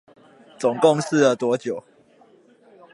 總共試了多久？